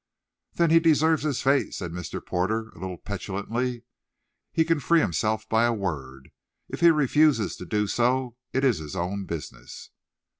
"Then he deserves his fate," said Mr. Porter, a little petulantly. "He can free himself by a word. If he refuses to do so it's his own business."